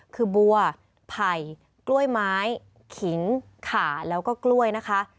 คือบัวไผ่กล้วยไม้ขิงขาแล้วก็กล้วยนะคะ